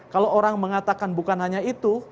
kalau orang mengatakan bukan hanya itu